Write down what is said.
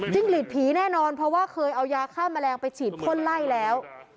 หลีดผีแน่นอนเพราะว่าเคยเอายาฆ่าแมลงไปฉีดพ่นไล่แล้ว